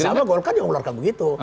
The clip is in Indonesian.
sama golkar juga mengeluarkan begitu